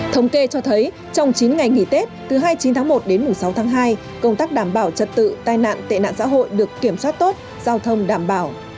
thống kê cho thấy trong chín ngày nghỉ tết từ hai mươi chín tháng một đến sáu tháng hai công tác đảm bảo trật tự tai nạn tệ nạn xã hội được kiểm soát tốt giao thông đảm bảo